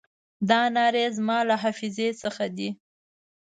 دا نارې زما له حافظې څخه دي.